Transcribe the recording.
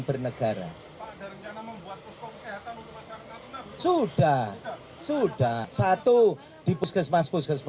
bernegaraak ada rencana membuat betul selamatunan sudah sudah satu di makhram beribu ribu yang belum